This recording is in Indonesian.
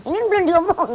ini belum diomong